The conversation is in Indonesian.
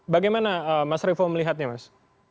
bagaimana mas revo melihatnya mas